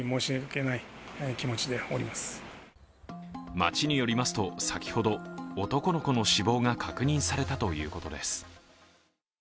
町によりますと先ほど男の子の死亡が確認されたということです。